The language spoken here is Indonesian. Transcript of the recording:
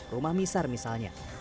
rumah misar misalnya